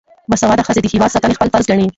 باسواده ښځې د هیواد ساتنه خپل فرض ګڼي.